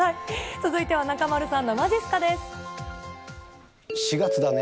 続いては中丸さんのまじっすかで４月だね。